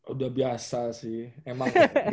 udah biasa sih emang